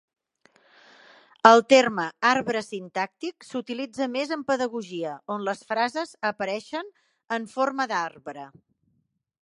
El terme "arbre sintàctic" s'utilitza més en pedagogia, on les frases apareixen "en forma d'arbre".